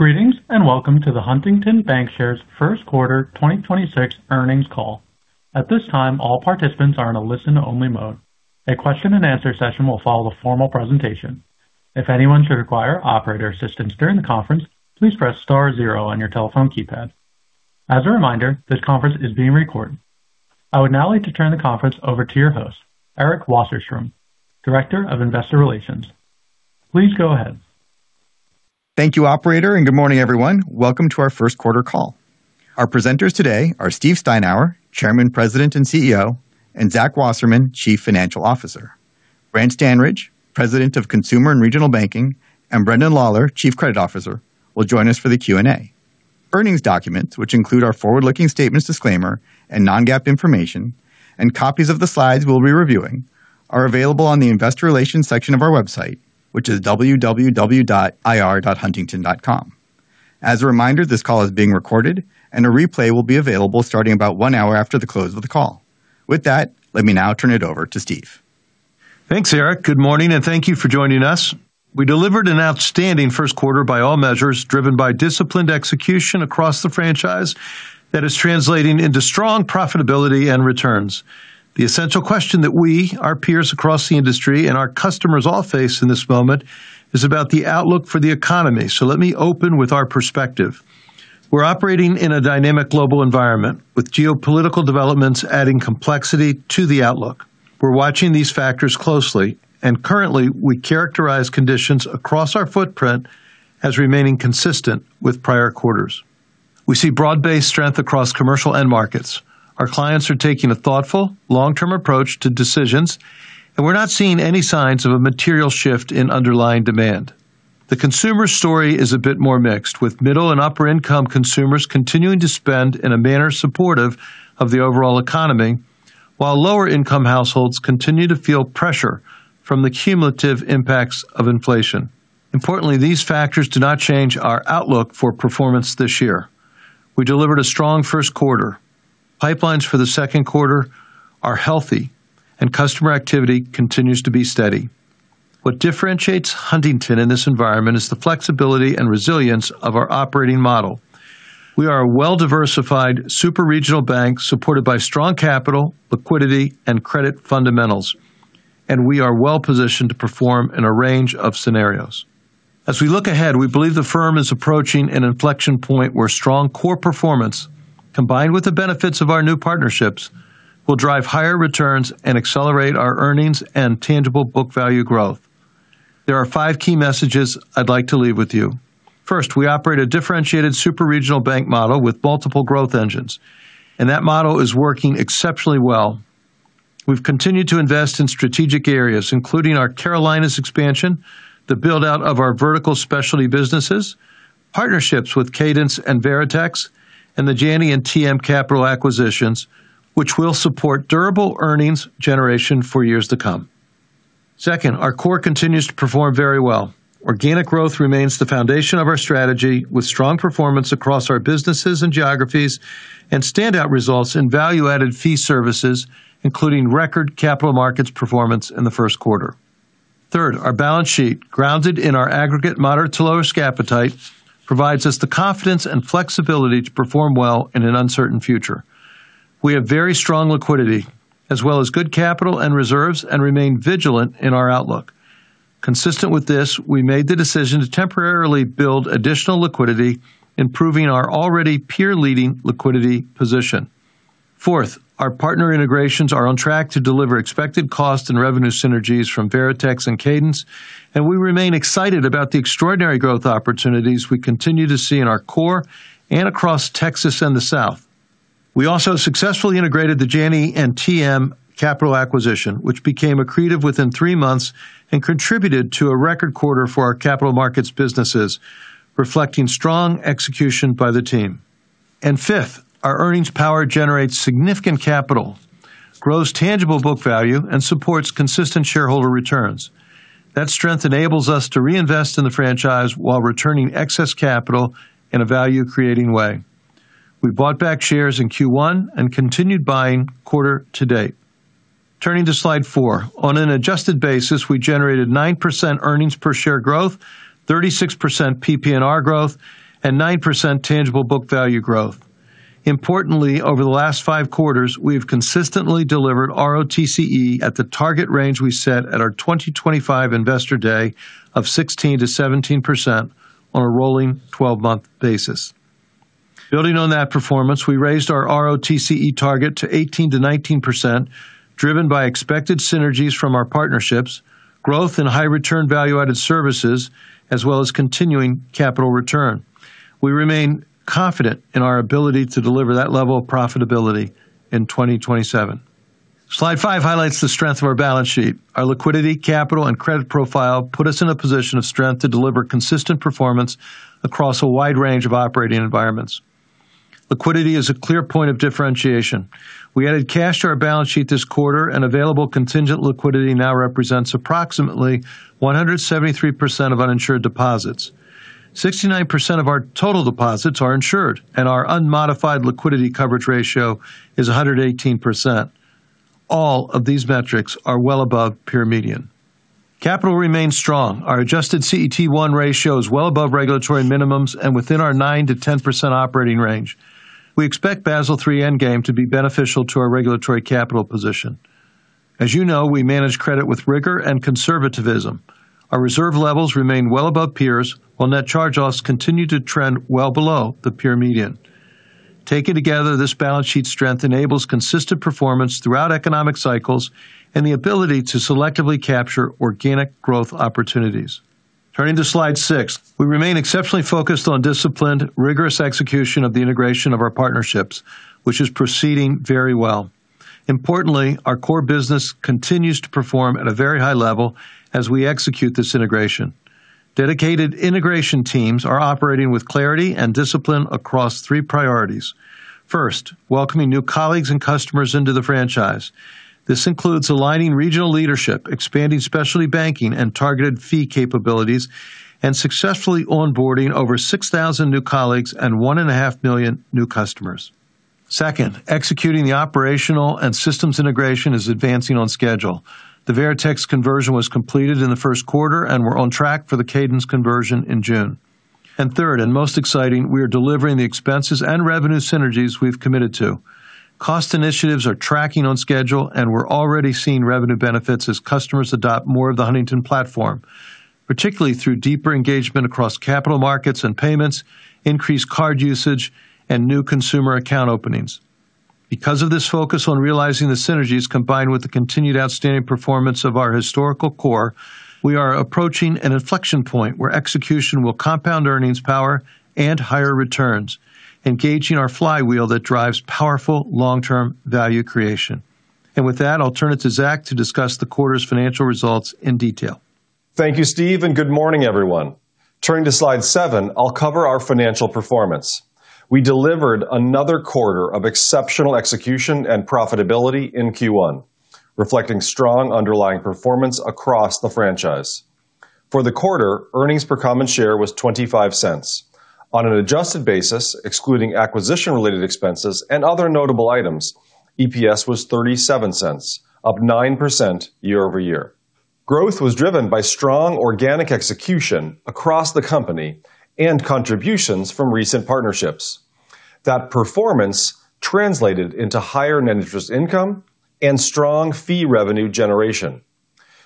Greetings and welcome to the Huntington Bancshares First Quarter 2026 Earnings Call. At this time, all participants are in a listen only mode. A question and answer session will follow the formal presentation. If anyone should require operator assistance during the conference, please press star zero on your telephone keypad. As a reminder, this conference is being recorded. I would now like to turn the conference over to your host, Eric Wasserstrom, Director of Investor Relations. Please go ahead. Thank you, operator, and good morning everyone. Welcome to our first quarter call. Our presenters today are Steve Steinour, Chairman, President, and CEO, and Zach Wasserman, Chief Financial Officer. Brant Standridge, President of Consumer and Regional Banking, and Brendan Lawlor, Chief Credit Officer, will join us for the Q&A. Earnings documents, which include our forward-looking statements disclaimer and non-GAAP information and copies of the slides we'll be reviewing are available on the investor relations section of our website, which is www.ir.huntington.com. As a reminder, this call is being recorded and a replay will be available starting about one hour after the close of the call. With that, let me now turn it over to Steve. Thanks, Eric. Good morning and thank you for joining us. We delivered an outstanding first quarter by all measures, driven by disciplined execution across the franchise that is translating into strong profitability and returns. The essential question that we, our peers across the industry, and our customers all face in this moment is about the outlook for the economy. Let me open with our perspective. We're operating in a dynamic global environment with geopolitical developments adding complexity to the outlook. We're watching these factors closely, and currently we characterize conditions across our footprint as remaining consistent with prior quarters. We see broad-based strength across commercial end markets. Our clients are taking a thoughtful, long-term approach to decisions, and we're not seeing any signs of a material shift in underlying demand. The consumer story is a bit more mixed, with middle and upper income consumers continuing to spend in a manner supportive of the overall economy, while lower income households continue to feel pressure from the cumulative impacts of inflation. Importantly, these factors do not change our outlook for performance this year. We delivered a strong first quarter. Pipelines for the second quarter are healthy and customer activity continues to be steady. What differentiates Huntington in this environment is the flexibility and resilience of our operating model. We are a well-diversified super regional bank supported by strong capital, liquidity, and credit fundamentals, and we are well positioned to perform in a range of scenarios. As we look ahead, we believe the firm is approaching an inflection point where strong core performance, combined with the benefits of our new partnerships, will drive higher returns and accelerate our earnings and tangible book value growth. There are five key messages I'd like to leave with you. First, we operate a differentiated super regional bank model with multiple growth engines, and that model is working exceptionally well. We've continued to invest in strategic areas including our Carolinas expansion, the build out of our vertical specialty businesses, partnerships with Cadence and Veritex, and the Janney and TM Capital acquisitions, which will support durable earnings generation for years to come. Second, our core continues to perform very well. Organic growth remains the foundation of our strategy with strong performance across our businesses and geographies, and standout results in value added fee services, including record capital markets performance in the first quarter. Third, our balance sheet grounded in our aggregate moderate to lowest appetite, provides us the confidence and flexibility to perform well in an uncertain future. We have very strong liquidity as well as good capital and reserves, and remain vigilant in our outlook. Consistent with this, we made the decision to temporarily build additional liquidity, improving our already peer leading liquidity position. Fourth, our partner integrations are on track to deliver expected cost and revenue synergies from Veritex and Cadence, and we remain excited about the extraordinary growth opportunities we continue to see in our core and across Texas and the South. We also successfully integrated the Janney and TM Capital acquisition, which became accretive within three months and contributed to a record quarter for our capital markets businesses, reflecting strong execution by the team. Fifth, our earnings power generates significant capital, grows tangible book value, and supports consistent shareholder returns. That strength enables us to reinvest in the franchise while returning excess capital in a value creating way. We bought back shares in Q1 and continued buying quarter to date. Turning to slide four. On an adjusted basis, we generated 9% earnings per share growth, 36% PPNR growth, and 9% tangible book value growth. Importantly, over the last five quarters, we have consistently delivered ROTCE at the target range we set at our 2025 investor day of 16%-17% on a rolling 12-month basis. Building on that performance, we raised our ROTCE target to 18%-19%, driven by expected synergies from our partnerships, growth in high return value added services, as well as continuing capital return. We remain confident in our ability to deliver that level of profitability in 2027. Slide five highlights the strength of our balance sheet. Our liquidity, capital, and credit profile put us in a position of strength to deliver consistent performance across a wide range of operating environments. Liquidity is a clear point of differentiation. We added cash to our balance sheet this quarter, and available contingent liquidity now represents approximately 173% of uninsured deposits. 69% of our total deposits are insured, and our unmodified liquidity coverage ratio is 118%. All of these metrics are well above peer median. Capital remains strong. Our adjusted CET1 ratio is well above regulatory minimums and within our 9%-10% operating range. We expect Basel III endgame to be beneficial to our regulatory capital position. As you know, we manage credit with rigor and conservativism. Our reserve levels remain well above peers, while net charge-offs continue to trend well below the peer median. Taken together, this balance sheet strength enables consistent performance throughout economic cycles and the ability to selectively capture organic growth opportunities. Turning to slide six. We remain exceptionally focused on disciplined, rigorous execution of the integration of our partnerships, which is proceeding very well. Importantly, our core business continues to perform at a very high level as we execute this integration. Dedicated integration teams are operating with clarity and discipline across three priorities. First, welcoming new colleagues and customers into the franchise. This includes aligning regional leadership, expanding specialty banking and targeted fee capabilities, and successfully onboarding over 6,000 new colleagues and 1.5 million new customers. Second, executing the operational and systems integration is advancing on schedule. The Veritex conversion was completed in the first quarter, and we're on track for the Cadence conversion in June. Third, and most exciting, we are delivering the expenses and revenue synergies we've committed to. Cost initiatives are tracking on schedule, and we're already seeing revenue benefits as customers adopt more of the Huntington platform, particularly through deeper engagement across capital markets and payments, increased card usage, and new consumer account openings. Because of this focus on realizing the synergies combined with the continued outstanding performance of our historical core, we are approaching an inflection point where execution will compound earnings power and higher returns, engaging our flywheel that drives powerful long-term value creation. With that, I'll turn it to Zach to discuss the quarter's financial results in detail. Thank you, Steve, and good morning, everyone. Turning to slide seven, I'll cover our financial performance. We delivered another quarter of exceptional execution and profitability in Q1, reflecting strong underlying performance across the franchise. For the quarter, earnings per common share was $0.25. On an adjusted basis, excluding acquisition related expenses and other notable items, EPS was $0.37, up 9% year-over-year. Growth was driven by strong organic execution across the company and contributions from recent partnerships. That performance translated into higher net interest income and strong fee revenue generation.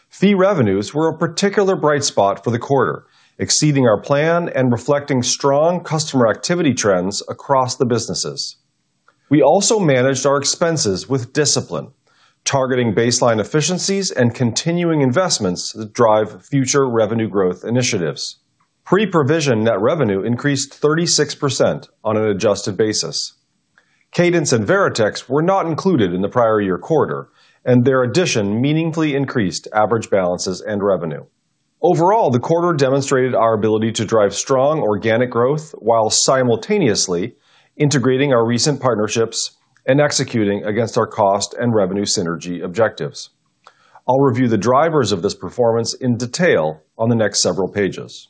Fee revenues were a particular bright spot for the quarter, exceeding our plan and reflecting strong customer activity trends across the businesses. We also managed our expenses with discipline, targeting baseline efficiencies and continuing investments that drive future revenue growth initiatives. Pre-provision net revenue increased 36% on an adjusted basis. Cadence and Veritex were not included in the prior year quarter, and their addition meaningfully increased average balances and revenue. Overall, the quarter demonstrated our ability to drive strong organic growth while simultaneously integrating our recent partnerships and executing against our cost and revenue synergy objectives. I'll review the drivers of this performance in detail on the next several pages.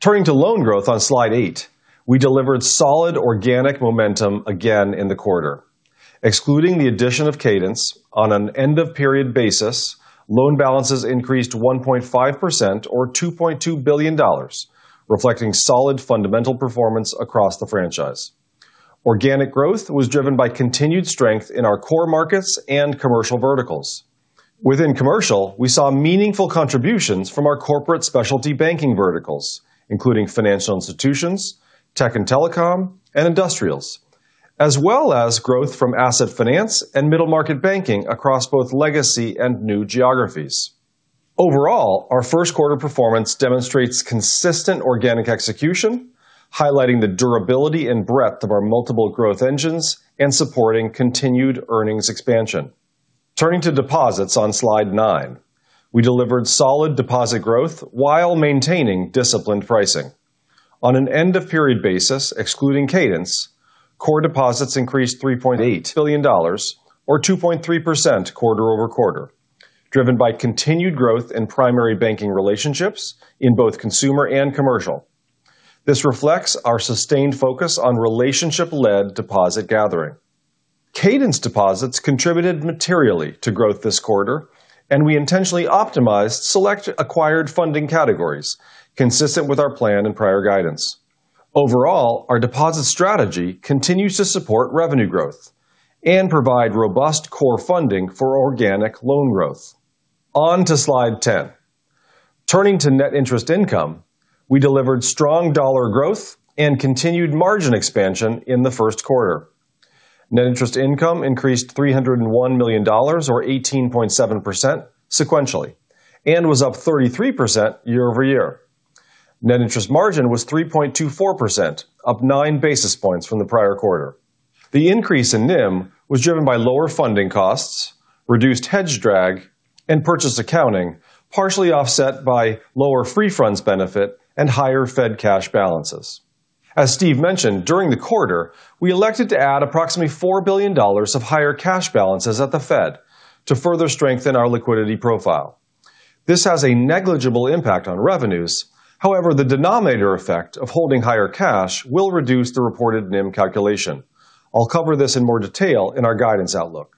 Turning to loan growth on slide eight. We delivered solid organic momentum again in the quarter. Excluding the addition of Cadence on an end-of-period basis, loan balances increased 1.5% or $2.2 billion, reflecting solid fundamental performance across the franchise. Organic growth was driven by continued strength in our core markets and commercial verticals. Within commercial, we saw meaningful contributions from our corporate specialty banking verticals, including financial institutions, tech and telecom, and industrials, as well as growth from asset finance and middle market banking across both legacy and new geographies. Overall, our first quarter performance demonstrates consistent organic execution, highlighting the durability and breadth of our multiple growth engines and supporting continued earnings expansion. Turning to deposits on slide nine. We delivered solid deposit growth while maintaining disciplined pricing. On an end of period basis, excluding Cadence, core deposits increased $3.8 billion, or 2.3% quarter-over-quarter, driven by continued growth in primary banking relationships in both consumer and commercial. This reflects our sustained focus on relationship-led deposit gathering. Cadence deposits contributed materially to growth this quarter, and we intentionally optimized select acquired funding categories consistent with our plan and prior guidance. Overall, our deposit strategy continues to support revenue growth and provide robust core funding for organic loan growth. On to slide ten. Turning to net interest income, we delivered strong dollar growth and continued margin expansion in the first quarter. Net interest income increased $301 million, or 18.7% sequentially, and was up 33% year-over-year. Net interest margin was 3.24%, up 9 basis points from the prior quarter. The increase in NIM was driven by lower funding costs, reduced hedge drag, and purchase accounting, partially offset by lower free funds benefit and higher Fed cash balances. As Steve mentioned, during the quarter, we elected to add approximately $4 billion of higher cash balances at the Fed to further strengthen our liquidity profile. This has a negligible impact on revenues. However, the denominator effect of holding higher cash will reduce the reported NIM calculation. I'll cover this in more detail in our guidance outlook.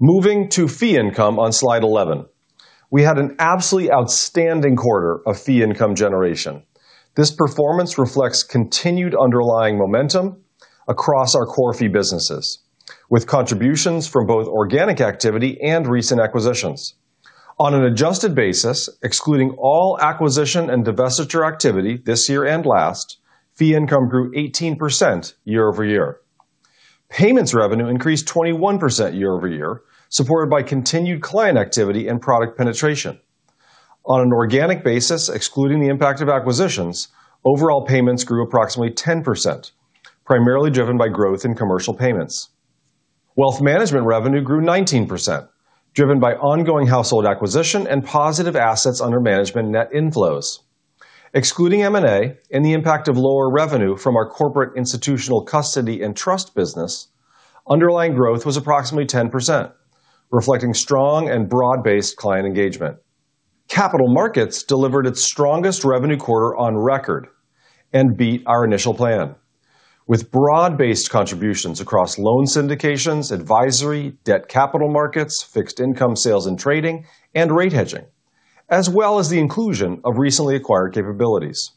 Moving to fee income on slide 11. We had an absolutely outstanding quarter of fee income generation. This performance reflects continued underlying momentum across our core fee businesses, with contributions from both organic activity and recent acquisitions. On an adjusted basis, excluding all acquisition and divestiture activity this year and last, fee income grew 18% year-over-year. Payments revenue increased 21% year-over-year, supported by continued client activity and product penetration. On an organic basis, excluding the impact of acquisitions, overall payments grew approximately 10%, primarily driven by growth in commercial payments. Wealth management revenue grew 19%, driven by ongoing household acquisition and positive assets under management net inflows. Excluding M&A and the impact of lower revenue from our corporate, institutional custody, and trust business, underlying growth was approximately 10%, reflecting strong and broad-based client engagement. Capital markets delivered its strongest revenue quarter on record and beat our initial plan. With broad-based contributions across loan syndications, advisory, debt capital markets, fixed income sales and trading, and rate hedging, as well as the inclusion of recently acquired capabilities.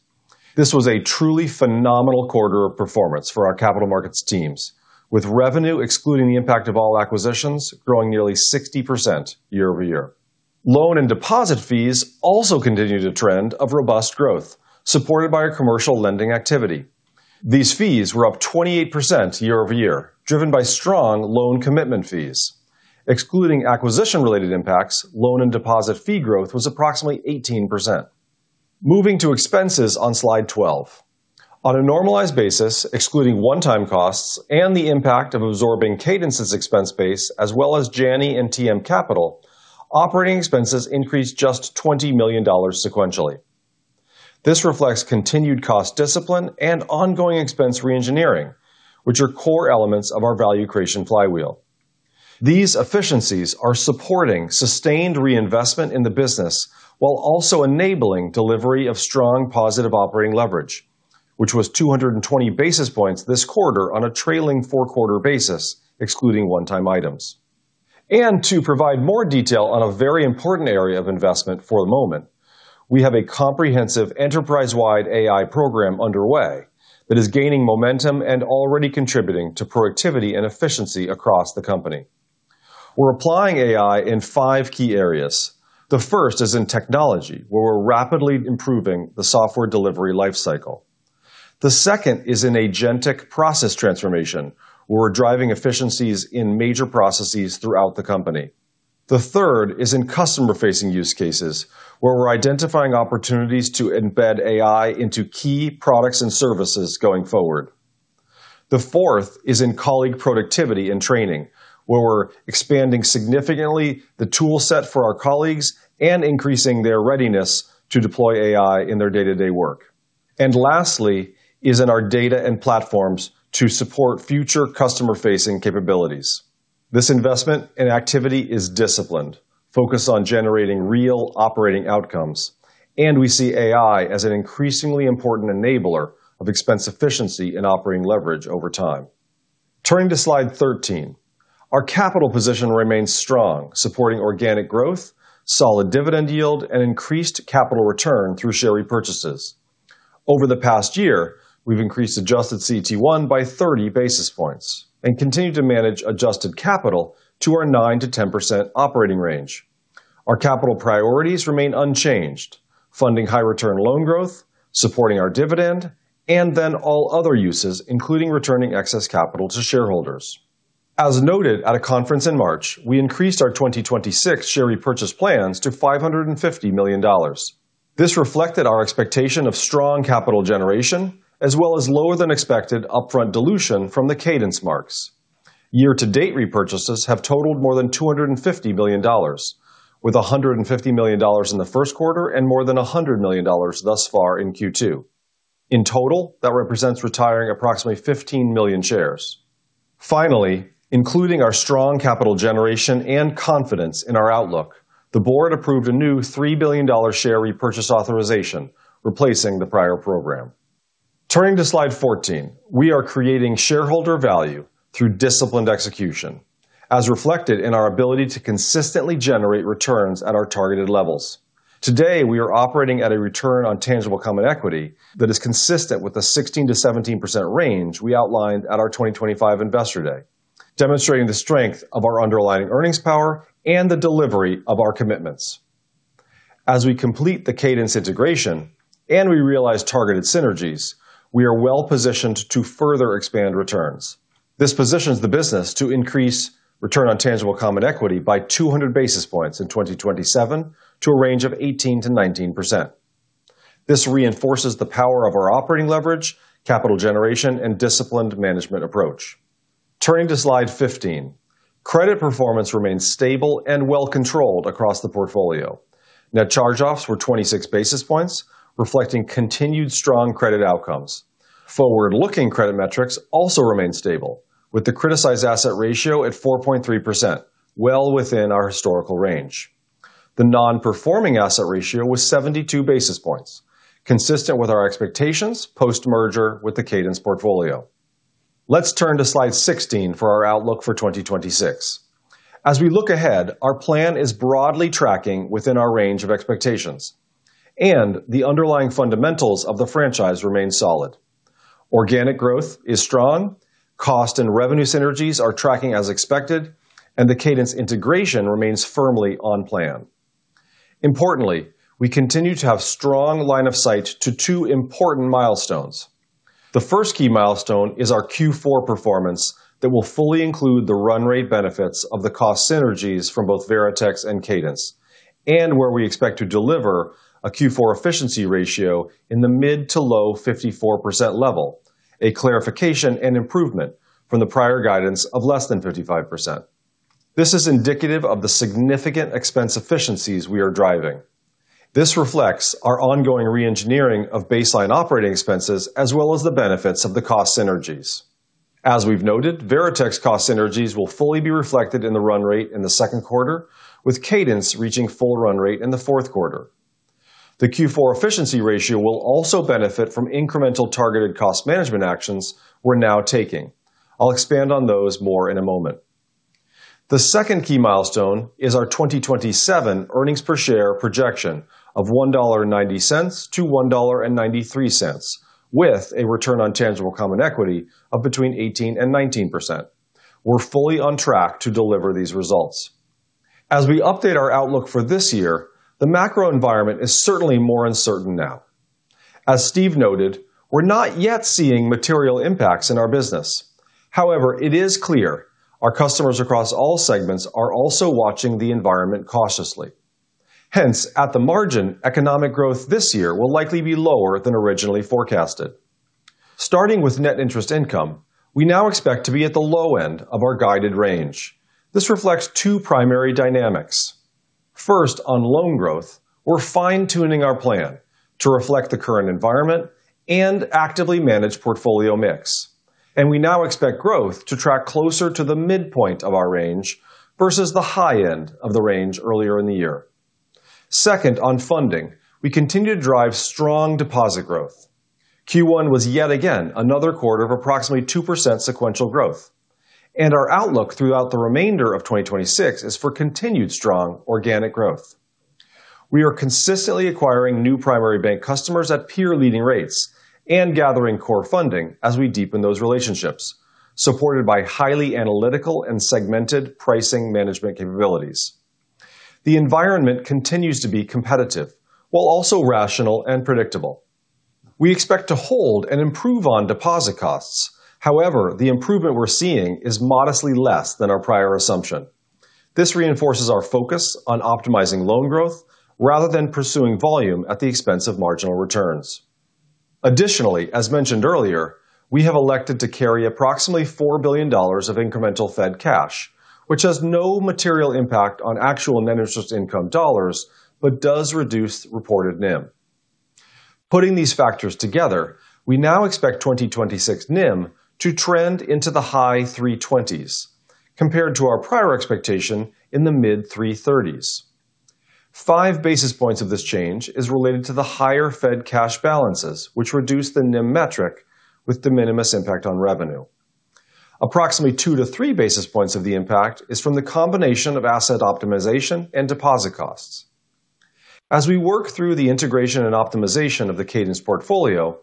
This was a truly phenomenal quarter of performance for our capital markets teams, with revenue excluding the impact of all acquisitions growing nearly 60% year-over-year. Loan and deposit fees also continued a trend of robust growth, supported by our commercial lending activity. These fees were up 28% year-over-year, driven by strong loan commitment fees. Excluding acquisition-related impacts, loan and deposit fee growth was approximately 18%. Moving to expenses on slide 12. On a normalized basis, excluding one-time costs and the impact of absorbing Cadence's expense base as well as Janney and TM Capital, operating expenses increased just $20 million sequentially. This reflects continued cost discipline and ongoing expense reengineering, which are core elements of our value creation flywheel. These efficiencies are supporting sustained reinvestment in the business, while also enabling delivery of strong positive operating leverage, which was 220 basis points this quarter on a trailing four-quarter basis, excluding one-time items. To provide more detail on a very important area of investment for the moment, we have a comprehensive enterprise-wide AI program underway that is gaining momentum and already contributing to productivity and efficiency across the company. We're applying AI in five key areas. The first is in technology, where we're rapidly improving the software delivery life cycle. The second is in agentic process transformation, where we're driving efficiencies in major processes throughout the company. The third is in customer-facing use cases, where we're identifying opportunities to embed AI into key products and services going forward. The fourth is in colleague productivity and training, where we're expanding significantly the tool set for our colleagues and increasing their readiness to deploy AI in their day-to-day work. Lastly is in our data and platforms to support future customer-facing capabilities. This investment and activity is disciplined, focused on generating real operating outcomes, and we see AI as an increasingly important enabler of expense efficiency and operating leverage over time. Turning to slide 13. Our capital position remains strong, supporting organic growth, solid dividend yield, and increased capital return through share repurchases. Over the past year, we've increased adjusted CET1 by 30 basis points and continue to manage adjusted capital to our 9%-10% operating range. Our capital priorities remain unchanged, funding high return loan growth, supporting our dividend, and then all other uses, including returning excess capital to shareholders. As noted at a conference in March, we increased our 2026 share repurchase plans to $550 million. This reflected our expectation of strong capital generation, as well as lower than expected upfront dilution from the Cadence marks. Year-to-date repurchases have totaled more than $250 million, with $150 million in the first quarter and more than $100 million thus far in Q2. In total, that represents retiring approximately 15 million shares. Finally, including our strong capital generation and confidence in our outlook, the board approved a new $3 billion share repurchase authorization, replacing the prior program. Turning to slide 14. We are creating shareholder value through disciplined execution, as reflected in our ability to consistently generate returns at our targeted levels. Today, we are operating at a return on tangible common equity that is consistent with the 16%-17% range we outlined at our 2025 Investor Day, demonstrating the strength of our underlying earnings power and the delivery of our commitments. As we complete the Cadence integration and we realize targeted synergies, we are well-positioned to further expand returns. This positions the business to increase return on tangible common equity by 200 basis points in 2027 to a range of 18%-19%. This reinforces the power of our operating leverage, capital generation, and disciplined management approach. Turning to slide 15. Credit performance remains stable and well controlled across the portfolio. Net charge-offs were 26 basis points, reflecting continued strong credit outcomes. Forward-looking credit metrics also remain stable with the criticized asset ratio at 4.3%, well within our historical range. The non-performing asset ratio was 72 basis points, consistent with our expectations post-merger with the Cadence portfolio. Let's turn to slide 16 for our outlook for 2026. As we look ahead, our plan is broadly tracking within our range of expectations, and the underlying fundamentals of the franchise remain solid. Organic growth is strong, cost and revenue synergies are tracking as expected, and the Cadence integration remains firmly on plan. Importantly, we continue to have strong line of sight to two important milestones. The first key milestone is our Q4 performance that will fully include the run rate benefits of the cost synergies from both Veritex and Cadence, and where we expect to deliver a Q4 efficiency ratio in the mid to low 54% level, a clarification and improvement from the prior guidance of less than 55%. This is indicative of the significant expense efficiencies we are driving. This reflects our ongoing re-engineering of baseline operating expenses as well as the benefits of the cost synergies. As we've noted, Veritex cost synergies will fully be reflected in the run rate in the second quarter, with Cadence reaching full run rate in the fourth quarter. The Q4 efficiency ratio will also benefit from incremental targeted cost management actions we're now taking. I'll expand on those more in a moment. The second key milestone is our 2027 earnings per share projection of $1.90-$1.93, with a return on tangible common equity of between 18%-19%. We're fully on track to deliver these results. As we update our outlook for this year, the macro environment is certainly more uncertain now. As Steve noted, we're not yet seeing material impacts in our business. However, it is clear our customers across all segments are also watching the environment cautiously. Hence, at the margin, economic growth this year will likely be lower than originally forecasted. Starting with net interest income, we now expect to be at the low end of our guided range. This reflects two primary dynamics. First, on loan growth, we're fine-tuning our plan to reflect the current environment and actively manage portfolio mix. We now expect growth to track closer to the midpoint of our range versus the high end of the range earlier in the year. Second, on funding, we continue to drive strong deposit growth. Q1 was yet again another quarter of approximately 2% sequential growth. Our outlook throughout the remainder of 2026 is for continued strong organic growth. We are consistently acquiring new primary bank customers at peer leading rates and gathering core funding as we deepen those relationships, supported by highly analytical and segmented pricing management capabilities. The environment continues to be competitive while also rational and predictable. We expect to hold and improve on deposit costs. However, the improvement we're seeing is modestly less than our prior assumption. This reinforces our focus on optimizing loan growth rather than pursuing volume at the expense of marginal returns. Additionally, as mentioned earlier, we have elected to carry approximately $4 billion of incremental Fed cash, which has no material impact on actual net interest income dollars but does reduce reported NIM. Putting these factors together, we now expect 2026 NIM to trend into the high 320s compared to our prior expectation in the mid 330s. 5 basis points of this change is related to the higher Fed cash balances, which reduce the NIM metric with de minimis impact on revenue. Approximately 2 basis points-3 basis points of the impact is from the combination of asset optimization and deposit costs. As we work through the integration and optimization of the Cadence portfolio,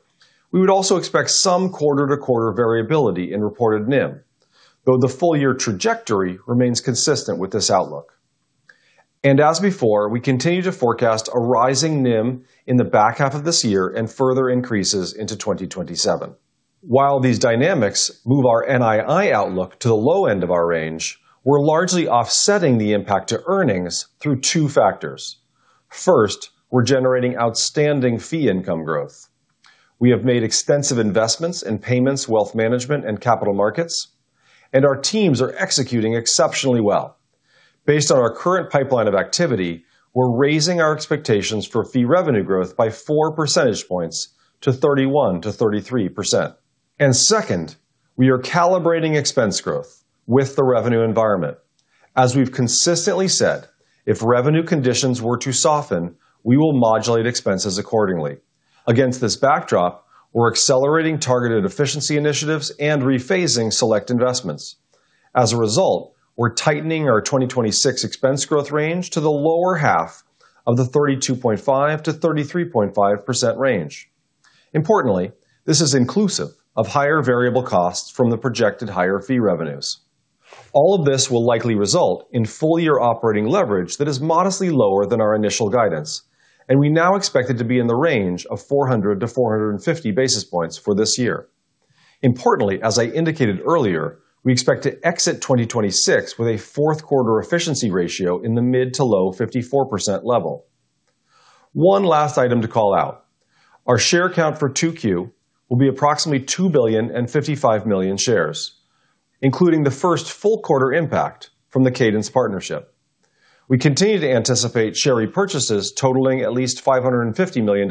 we would also expect some quarter-to-quarter variability in reported NIM, though the full year trajectory remains consistent with this outlook. We continue to forecast a rising NIM in the back half of this year and further increases into 2027. While these dynamics move our NII outlook to the low end of our range, we're largely offsetting the impact to earnings through two factors. First, we're generating outstanding fee income growth. We have made extensive investments in payments, wealth management, and capital markets, and our teams are executing exceptionally well. Based on our current pipeline of activity, we're raising our expectations for fee revenue growth by 4 percentage points to 31%-33%. Second, we are calibrating expense growth with the revenue environment. As we've consistently said, if revenue conditions were to soften, we will modulate expenses accordingly. Against this backdrop, we're accelerating targeted efficiency initiatives and rephasing select investments. As a result, we're tightening our 2026 expense growth range to the lower half of the 32.5%-33.5% range. Importantly, this is inclusive of higher variable costs from the projected higher fee revenues. All of this will likely result in full year operating leverage that is modestly lower than our initial guidance, and we now expect it to be in the range of 400 basis points-450 basis points for this year. Importantly, as I indicated earlier, we expect to exit 2026 with a fourth quarter efficiency ratio in the mid- to low-54% level. One last item to call out. Our share count for 2Q will be approximately 2 billion and 55 million shares, including the first full quarter impact from the Cadence partnership. We continue to anticipate share repurchases totaling at least $550 million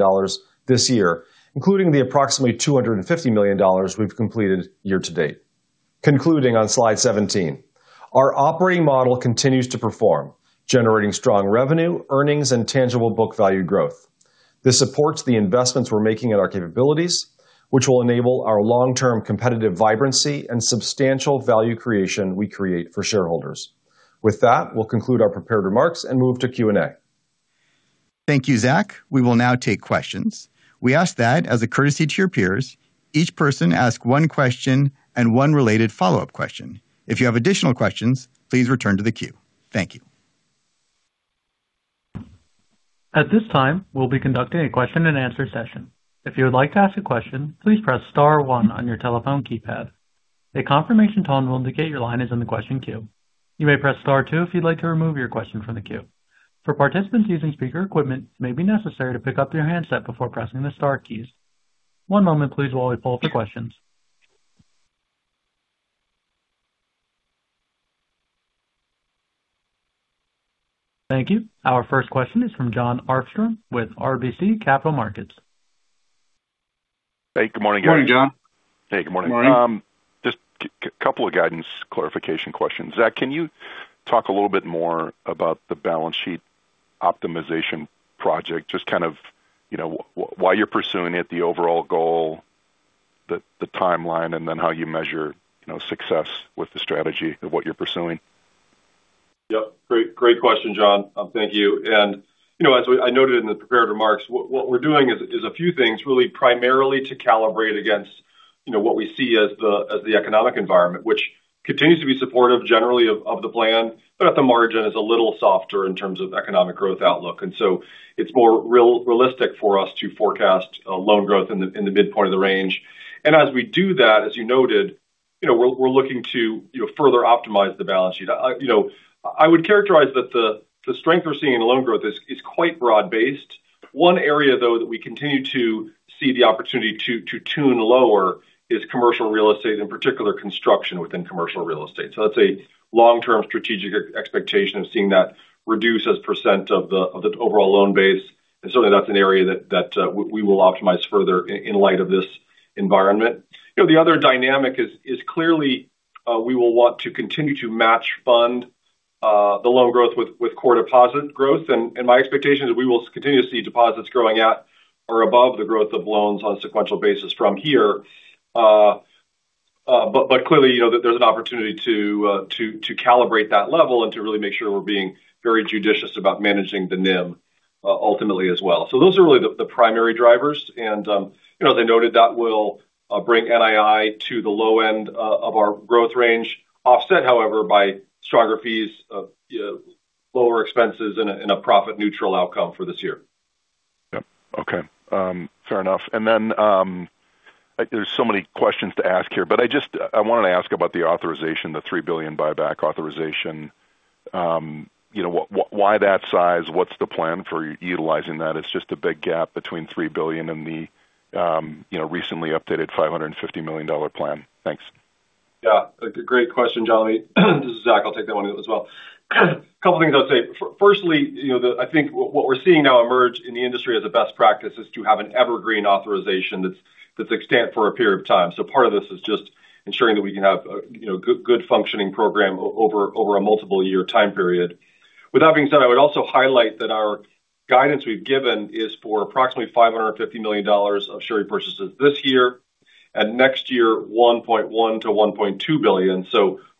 this year, including the approximately $250 million we've completed year to date. Concluding on slide 17. Our operating model continues to perform, generating strong revenue, earnings, and tangible book value growth. This supports the investments we're making in our capabilities, which will enable our long-term competitive vibrancy and substantial value creation we create for shareholders. With that, we'll conclude our prepared remarks and move to Q&A. Thank you, Zach. We will now take questions. We ask that as a courtesy to your peers, each person ask one question and one related follow-up question. If you have additional questions, please return to the queue. Thank you. At this time, we'll be conducting a question and answer session. If you would like to ask a question, please press star one on your telephone keypad. A confirmation tone will indicate your line is in the question queue. You may press star two if you'd like to remove your question from the queue. For participants using speaker equipment, it may be necessary to pick up your handset before pressing the star keys. One moment, please, while we pull up the questions. Thank you. Our first question is from Jon Arfstrom with RBC Capital Markets. Hey, good morning, guys. Good morning, Jon. Hey, good morning. Good morning. Just a couple of guidance clarification questions. Zach, can you talk a little bit more about the balance sheet optimization project, just kind of why you're pursuing it, the overall goal, the timeline, and then how you measure success with the strategy of what you're pursuing? Yep. Great question, Jon. Thank you. As I noted in the prepared remarks, what we're doing is a few things really, primarily to calibrate against what we see as the economic environment, which continues to be supportive generally of the plan, but at the margin is a little softer in terms of economic growth outlook. It's more realistic for us to forecast loan growth in the mid point of the range. As we do that, as you noted, we're looking to further optimize the balance sheet. I would characterize that the strength we're seeing in loan growth is quite broad-based. One area, though, that we continue to see the opportunity to tune lower is commercial real estate, in particular, construction within commercial real estate. That's a long-term strategic expectation of seeing that reduce as a percent of the overall loan base. Certainly that's an area that we will optimize further in light of this environment. The other dynamic is clearly we will want to continue to match fund the loan growth with core deposit growth. My expectation is we will continue to see deposits growing at or above the growth of loans on a sequential basis from here. But clearly, there's an opportunity to calibrate that level and to really make sure we're being very judicious about managing the NIM ultimately as well. Those are really the primary drivers. As I noted, that will bring NII to the low end of our growth range, offset, however, by stronger fees, lower expenses, and a profit-neutral outcome for this year. Yep. Okay. Fair enough. There's so many questions to ask here. I wanted to ask about the authorization, the $3 billion buyback authorization. Why that size? What's the plan for utilizing that? It's just a big gap between $3 billion and the recently updated $550 million plan. Thanks. Yeah, great question, John. This is Zach. I'll take that one as well. A couple of things I'll say. Firstly, I think what we're seeing now emerge in the industry as a best practice is to have an evergreen authorization that's extant for a period of time. Part of this is just ensuring that we can have a good functioning program over a multiple year time period. With that being said, I would also highlight that our guidance we've given is for approximately $550 million of share repurchases this year, and next year $1.1 billion-$1.2 billion.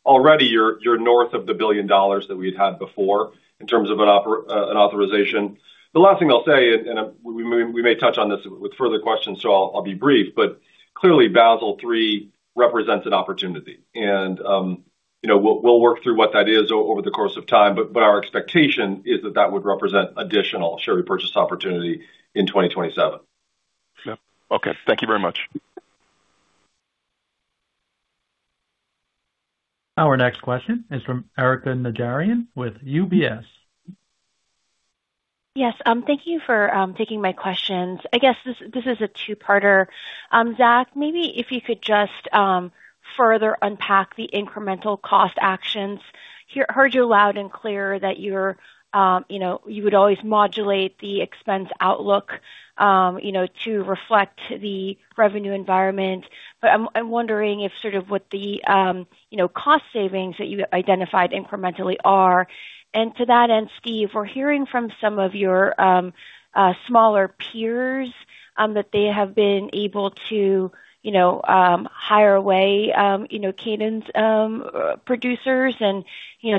Already you're north of the $1 billion that we'd had before in terms of an authorization. The last thing I'll say, and we may touch on this with further questions, so I'll be brief, but clearly Basel III represents an opportunity. We'll work through what that is over the course of time. Our expectation is that that would represent additional share repurchase opportunity in 2027. Yep. Okay. Thank you very much. Our next question is from Erika Najarian with UBS. Yes. Thank you for taking my questions. I guess this is a two-parter. Zach, maybe if you could just further unpack the incremental cost actions. I heard you loud and clear that you would always modulate the expense outlook to reflect the revenue environment. I'm wondering if sort of what the cost savings that you identified incrementally are. To that end, Steve, we're hearing from some of your smaller peers that they have been able to hire away Cadence producers and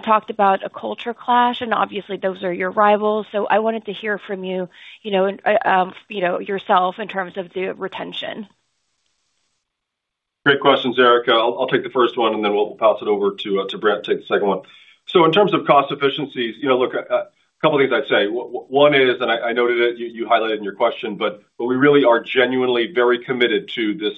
talked about a culture clash, and obviously those are your rivals. I wanted to hear from you, yourself, in terms of the retention. Great questions, Erika. I'll take the first one, and then we'll pass it over to Brant to take the second one. In terms of cost efficiencies, look, a couple of things I'd say. One is, and I noted it, you highlighted in your question, but we really are genuinely very committed to this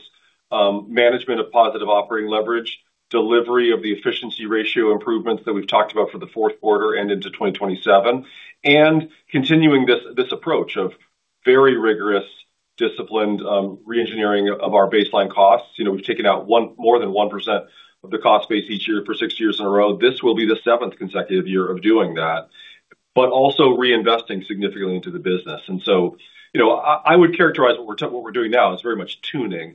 management of positive operating leverage, delivery of the efficiency ratio improvements that we've talked about for the fourth quarter and into 2027, and continuing this approach of very rigorous Disciplined reengineering of our baseline costs. We've taken out more than 1% of the cost base each year for six years in a row. This will be the seventh consecutive year of doing that, also reinvesting significantly into the business. I would characterize what we're doing now as very much tuning.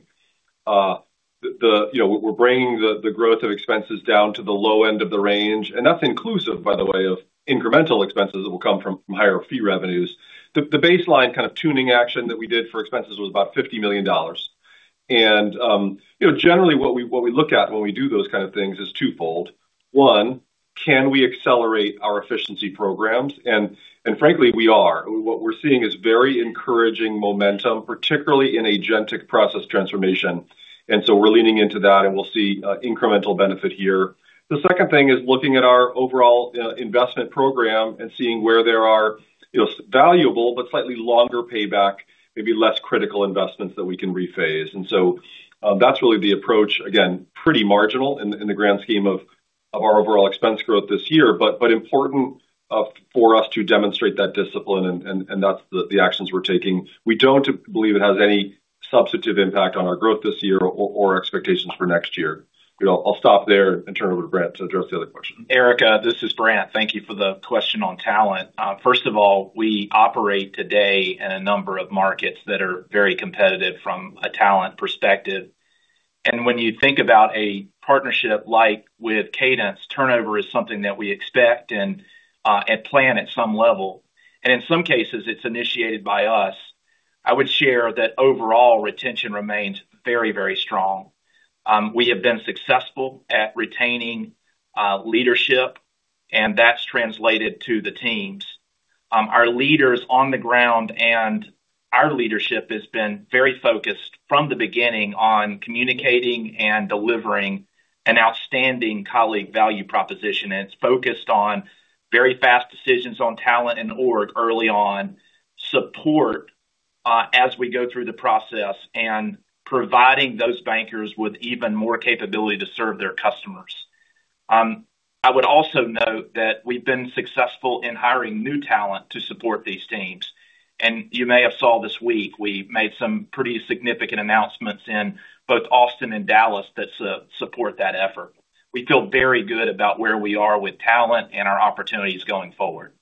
We're bringing the growth of expenses down to the low end of the range. That's inclusive, by the way, of incremental expenses that will come from higher fee revenues. The baseline kind of tuning action that we did for expenses was about $50 million. Generally what we look at when we do those kind of things is twofold. One, can we accelerate our efficiency programs? Frankly, we are. What we're seeing is very encouraging momentum, particularly in agentic process transformation. We're leaning into that, and we'll see incremental benefit here. The second thing is looking at our overall investment program and seeing where there are valuable but slightly longer payback, maybe less critical investments that we can rephase. That's really the approach. Again, pretty marginal in the grand scheme of our overall expense growth this year, but important for us to demonstrate that discipline, and that's the actions we're taking. We don't believe it has any substantive impact on our growth this year or expectations for next year. I'll stop there and turn it over to Brant to address the other question. Erika, this is Brant. Thank you for the question on talent. First of all, we operate today in a number of markets that are very competitive from a talent perspective. When you think about a partnership like with Cadence, turnover is something that we expect and plan at some level. In some cases, it's initiated by us. I would share that overall retention remains very strong. We have been successful at retaining leadership, and that's translated to the teams. Our leaders on the ground and our leadership has been very focused from the beginning on communicating and delivering an outstanding colleague value proposition. It's focused on very fast decisions on talent and org early on, support as we go through the process, and providing those bankers with even more capability to serve their customers. I would also note that we've been successful in hiring new talent to support these teams. You may have saw this week, we made some pretty significant announcements in both Austin and Dallas that support that effort. We feel very good about where we are with talent and our opportunities going forward.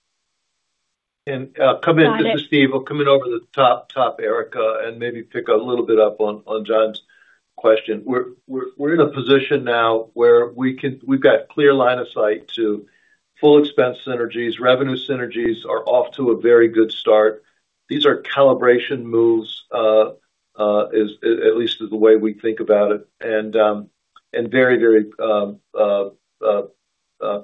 This is Steve. I'll come in over the top, Erika, and maybe pick a little bit up on Jon's question. We're in a position now where we've got clear line of sight to full expense synergies. Revenue synergies are off to a very good start. These are calibration moves, at least the way we think about it, and very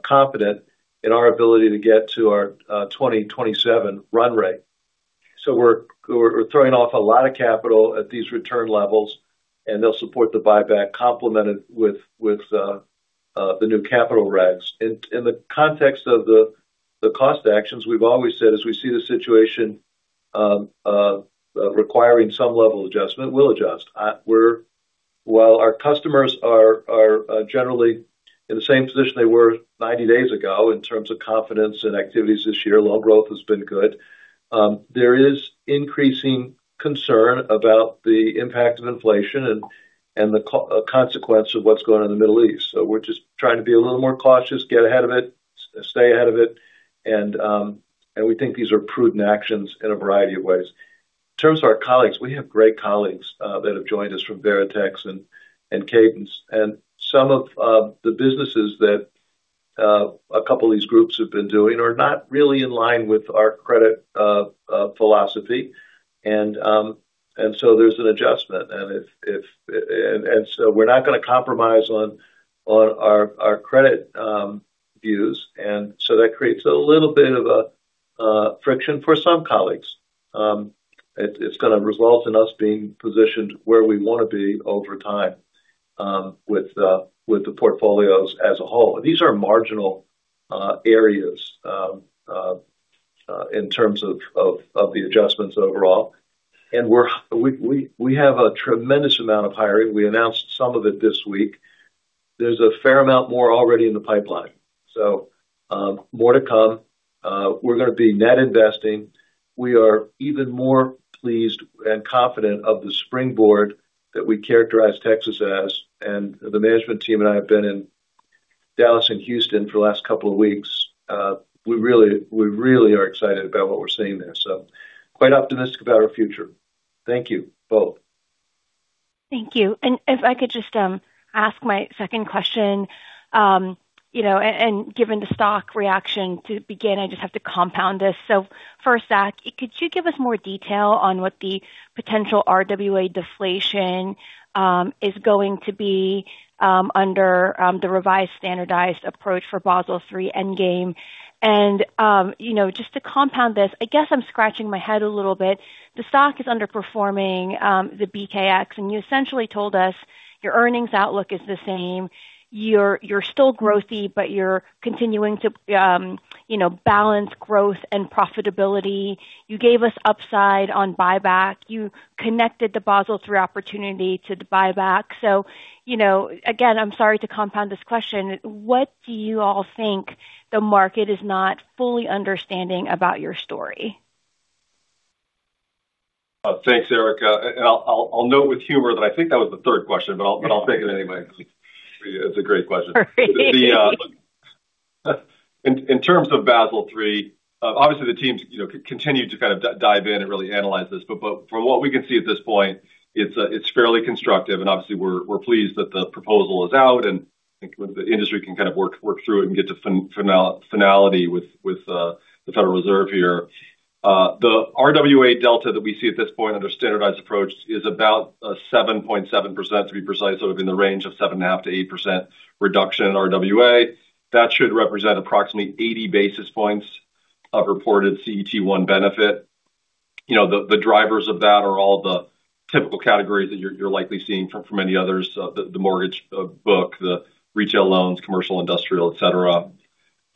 confident in our ability to get to our 2027 run rate. We're throwing off a lot of capital at these return levels, and they'll support the buyback complemented with the new capital regs. In the context of the cost actions, we've always said as we see the situation requiring some level of adjustment, we'll adjust. While our customers are generally in the same position they were 90 days ago in terms of confidence and activities this year, loan growth has been good. There is increasing concern about the impact of inflation and the consequence of what's going on in the Middle East. We're just trying to be a little more cautious, get ahead of it, stay ahead of it, and we think these are prudent actions in a variety of ways. In terms of our colleagues, we have great colleagues that have joined us from Veritex and Cadence. Some of the businesses that a couple of these groups have been doing are not really in line with our credit philosophy. There's an adjustment. We're not going to compromise on our credit views. That creates a little bit of friction for some colleagues. It's going to result in us being positioned where we want to be over time with the portfolios as a whole. These are marginal areas in terms of the adjustments overall. We have a tremendous amount of hiring. We announced some of it this week. There's a fair amount more already in the pipeline. More to come. We're going to be net investing. We are even more pleased and confident of the springboard that we characterize Texas as, and the management team and I have been in Dallas and Houston for the last couple of weeks. We really are excited about what we're seeing there. Quite optimistic about our future. Thank you both. Thank you. If I could just ask my second question. Given the stock reaction to begin, I just have to compound this. First, Zach, could you give us more detail on what the potential RWA deflation is going to be under the revised standardized approach for Basel III endgame? Just to compound this, I guess I'm scratching my head a little bit. The stock is underperforming the BKX, and you essentially told us your earnings outlook is the same. You're still growthy, but you're continuing to balance growth and profitability. You gave us upside on buyback. You connected the Basel III opportunity to the buyback. Again, I'm sorry to compound this question. What do you all think the market is not fully understanding about your story? Thanks, Erika. I'll note with humor that I think that was the third question, but I'll take it anyway. It's a great question. Perfect. In terms of Basel III, obviously the teams continue to kind of dive in and really analyze this. From what we can see at this point, it's fairly constructive. Obviously we're pleased that the proposal is out, and the industry can kind of work through it and get to finality with the Federal Reserve here. The RWA delta that we see at this point under standardized approach is about 7.7%, to be precise, so it would be in the range of 7.5%-8% reduction in RWA. That should represent approximately 80 basis points of reported CET1 benefit. The drivers of that are all the typical categories that you're likely seeing from many others, the mortgage book, the retail loans, commercial, industrial, et cetera.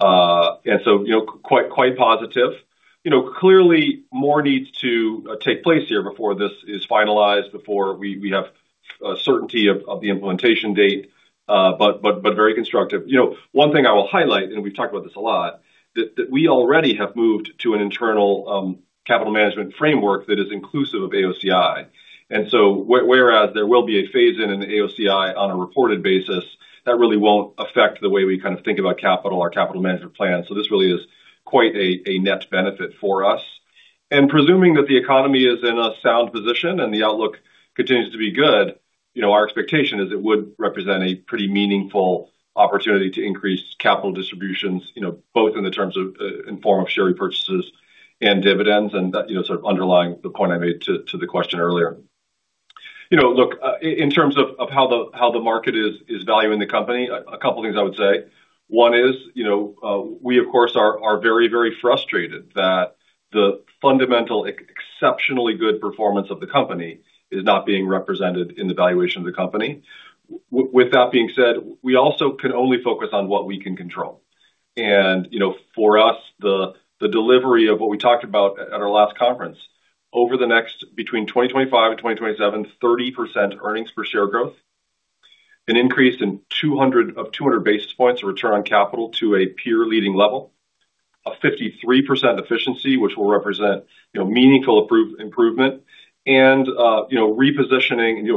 Quite positive. Clearly, more needs to take place here before this is finalized, before we have certainty of the implementation date, but very constructive. One thing I will highlight, and we've talked about this a lot, that we already have moved to an internal capital management framework that is inclusive of AOCI. Whereas there will be a phase-in of AOCI on a reported basis, that really won't affect the way we kind of think about capital or capital management plans. This really is quite a net benefit for us. Presuming that the economy is in a sound position and the outlook continues to be good, our expectation is it would represent a pretty meaningful opportunity to increase capital distributions, both in the form of share repurchases and dividends, and that sort of underlies the point I made to the question earlier. Look, in terms of how the market is valuing the company, a couple of things I would say. One is, we of course, are very frustrated that the fundamental exceptionally good performance of the company is not being represented in the valuation of the company. With that being said, we also can only focus on what we can control. For us, the delivery of what we talked about at our last conference. Over the next, between 2025 and 2027, 30% earnings per share growth, an increase of 200 basis points return on capital to a peer leading level, a 53% efficiency, which will represent meaningful improvement and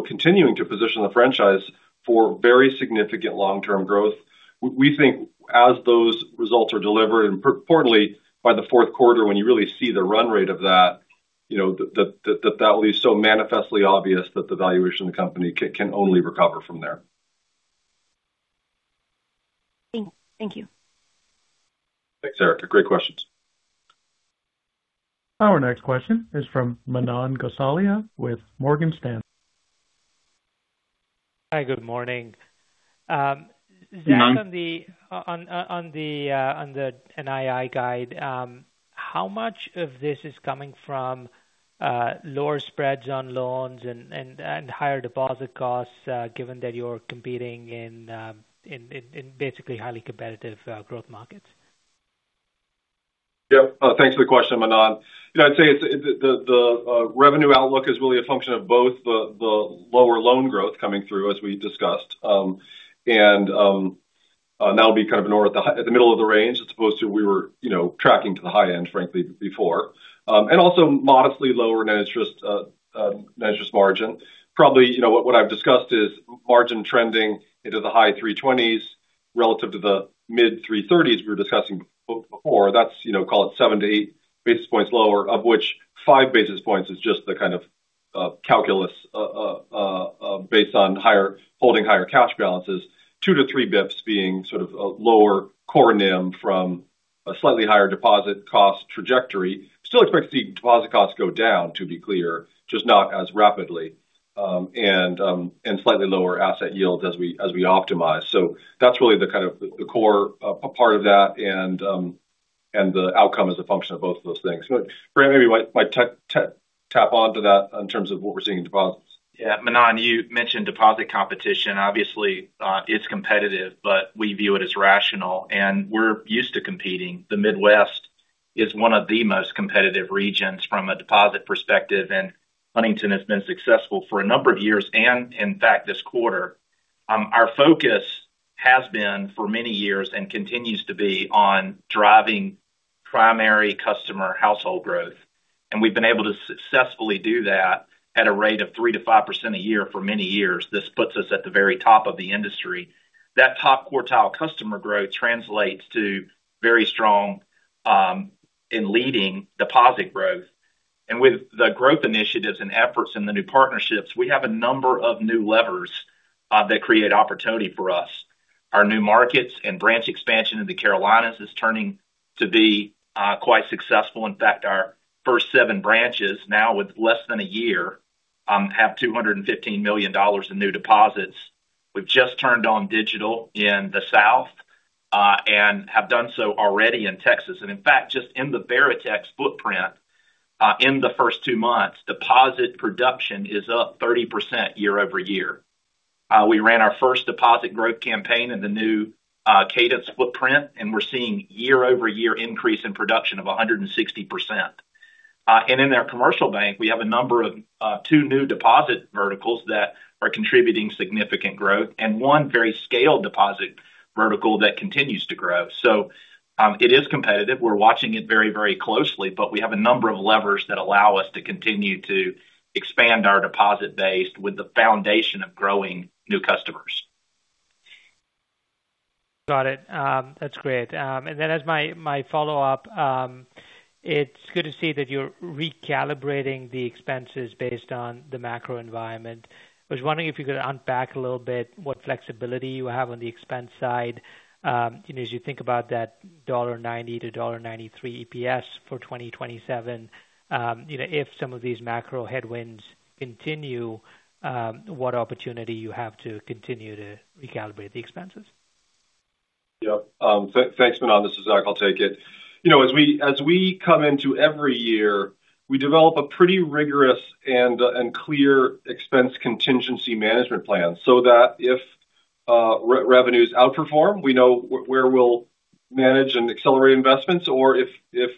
continuing to position the franchise for very significant long-term growth. We think as those results are delivered, and importantly by the fourth quarter when you really see the run rate of that will be so manifestly obvious that the valuation of the company can only recover from there. Thank you. Thanks, Erika. Great questions. Our next question is from Manan Gosalia with Morgan Stanley. Hi, good morning. Zach, on the NII guide, how much of this is coming from lower spreads on loans and higher deposit costs, given that you're competing in basically highly competitive growth markets? Yep. Thanks for the question, Manan. I'd say the revenue outlook is really a function of both the lower loan growth coming through, as we discussed. That'll be kind of at the middle of the range as opposed to we were tracking to the high end, frankly, before. Also modestly lower net interest margin. Probably, what I've discussed is margin trending into the high 320s relative to the mid 330s we were discussing before. That's call it 7 basis points-8 basis points lower, of which 5 basis points is just the kind of calculus based on holding higher cash balances, 2 basis points-3 basis points being sort of a lower core NIM from a slightly higher deposit cost trajectory. Still expect to see deposit costs go down, to be clear, just not as rapidly. Slightly lower asset yield as we optimize. That's really the kind of core part of that and the outcome as a function of both of those things. Brant, maybe you might tap into that in terms of what we're seeing in deposits. Yeah. Manan, you mentioned deposit competition. Obviously, it's competitive, but we view it as rational, and we're used to competing. The Midwest is one of the most competitive regions from a deposit perspective, and Huntington has been successful for a number of years, and in fact, this quarter. Our focus has been for many years and continues to be on driving primary customer household growth. We've been able to successfully do that at a rate of 3%-5% a year for many years. This puts us at the very top of the industry. That top quartile customer growth translates to very strong industry-leading deposit growth. With the growth initiatives and efforts in the new partnerships, we have a number of new levers that create opportunity for us. Our new markets and branch expansion in the Carolinas is turning to be quite successful. In fact, our first seven branches now with less than a year, have $215 million in new deposits. We've just turned on digital in the South, and have done so already in Texas. In fact, just in the Veritex footprint, in the first two months, deposit production is up 30% year-over-year. We ran our first deposit growth campaign in the new Cadence footprint, and we're seeing year-over-year increase in production of 160%. In our commercial bank, we have a number of two new deposit verticals that are contributing significant growth and one very scaled deposit vertical that continues to grow. It is competitive. We're watching it very closely, but we have a number of levers that allow us to continue to expand our deposit base with the foundation of growing new customers. Got it. That's great. As my follow-up, it's good to see that you're recalibrating the expenses based on the macro environment. I was wondering if you could unpack a little bit what flexibility you have on the expense side. As you think about that $1.90-$1.93 EPS for 2027, if some of these macro headwinds continue, what opportunity you have to continue to recalibrate the expenses? Yep. Thanks, Manan. This is Zach. I'll take it. As we come into every year, we develop a pretty rigorous and clear expense contingency management plan so that if revenues outperform, we know where we'll manage and accelerate investments, or if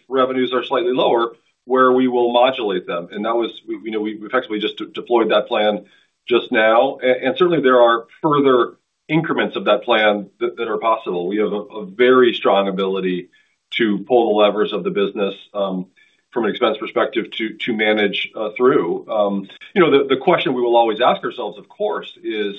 revenues are slightly lower, where we will modulate them. We effectively just deployed that plan just now. Certainly there are further increments of that plan that are possible. We have a very strong ability to pull the levers of the business from an expense perspective to manage through. The question we will always ask ourselves, of course, is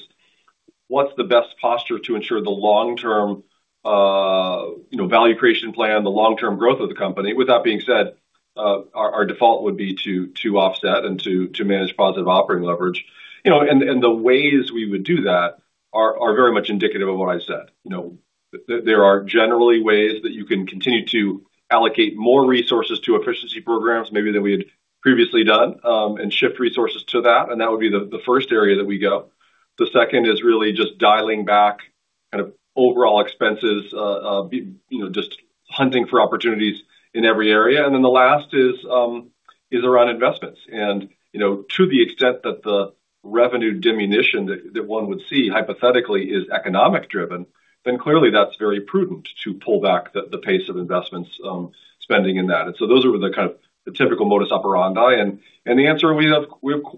what's the best posture to ensure the long-term value creation plan, the long-term growth of the company? With that being said, our default would be to offset and to manage positive operating leverage. The ways we would do that are very much indicative of what I said. There are generally ways that you can continue to allocate more resources to efficiency programs maybe than we had previously done and shift resources to that, and that would be the first area that we go. The second is really just dialing back overall expenses, just hunting for opportunities in every area. The last is around investments. To the extent that the revenue diminution that one would see hypothetically is economically driven, then clearly that's very prudent to pull back the pace of investment spending in that. Those are the kind of the typical modus operandi. The answer, we have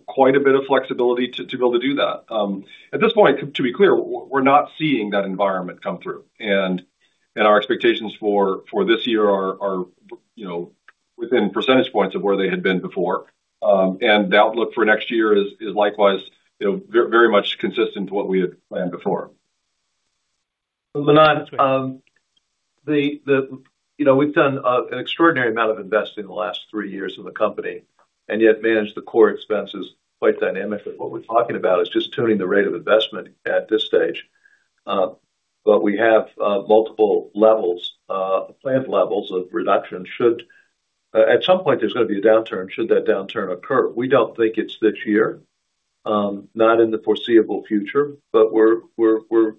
quite a bit of flexibility to be able to do that. At this point, to be clear, we're not seeing that environment come through. Our expectations for this year are within percentage points of where they had been before. The outlook for next year is likewise very much consistent to what we had planned before. Manan, we've done an extraordinary amount of investing in the last three years in the company and yet managed the core expenses quite dynamically. What we're talking about is just tuning the rate of investment at this stage. We have multiple planned levels of reduction should at some point, there's going to be a downturn should that downturn occur. We don't think it's this year, not in the foreseeable future, but we